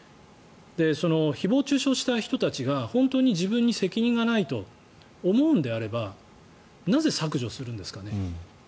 誹謗・中傷した人たちが本当に自分に責任がないと思うのであればなぜ、削除するんですかね。